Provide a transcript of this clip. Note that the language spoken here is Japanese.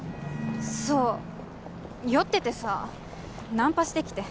そう酔っててさナンパしてきて。